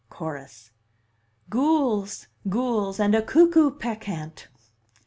Chorus: Gules! Gules! and a cuckoo peccant!